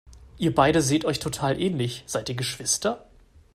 Ihr beide seht euch total ähnlich, seid ihr Geschwister?